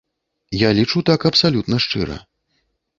Я лічу так абсалютна шчыра.